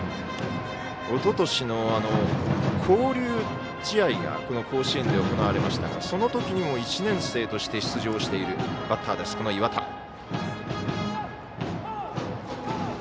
おととしの交流試合がこの甲子園で行われましたがそのときにも１年生として出場しているバッター、岩田。